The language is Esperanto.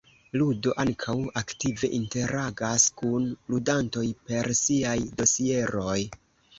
Ludo ankaŭ aktive interagas kun ludantoj per siaj dosieroj.